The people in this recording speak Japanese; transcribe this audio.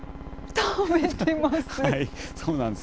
食べてます。